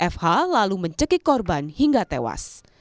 fh lalu mencekik korban hingga tewas